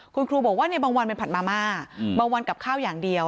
คุณครูบอกว่าในบางวันเป็นผัดมาม่าบางวันกับข้าวอย่างเดียว